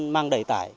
mang đẩy tải